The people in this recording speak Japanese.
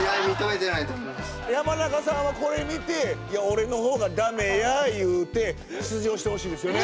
山中さんはこれ見て「いや俺の方がだめや」言うて出場してほしいですよね。